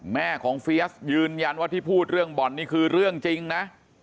แม่ของเฟียสยืนยันว่าที่พูดเรื่องบ่อนนี่คือเรื่องจริงนะ